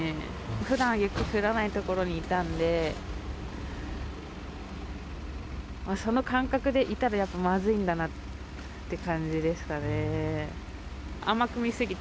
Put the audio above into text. ふだん雪降らない所にいたんで、その感覚でいたらやっぱりまずいんだなって感じですかね。